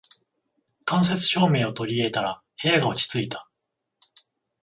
間接照明を取り入れたら部屋が落ち着いた